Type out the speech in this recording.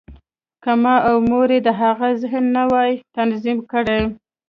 که ما او مور یې د هغه ذهن نه وای تنظیم کړی